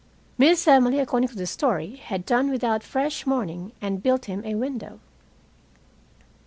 Miss Emily according to the story, had done without fresh mourning and built him a window.